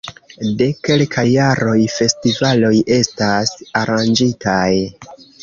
De kelkaj jaroj festivaloj estas aranĝitaj.